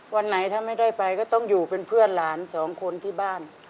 วันไหนถ้าไม่ได้ไปก็ต้องอยู่เป็นเพื่อนหลานสองคนที่บ้าน